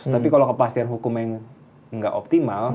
tapi kalo kepastian hukum yang gak optimal